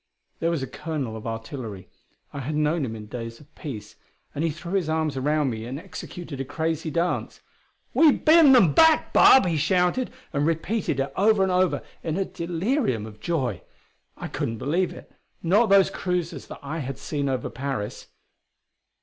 There was a colonel of artillery I had known him in days of peace and he threw his arms around me and executed a crazy dance. "We've beaten them back, Bob!" he shouted, and repeated it over and over in a delirium of joy. I couldn't believe it; not those cruisers that I had seen over Paris.